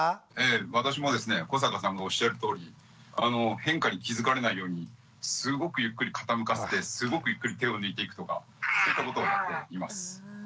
私もですね古坂さんがおっしゃるとおり変化に気付かれないようにすごくゆっくり傾かせてすごくゆっくり手を抜いていくとかそういったことをやっています。